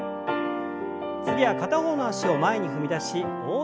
次は片方の脚を前に踏み出し大きく胸を開きます。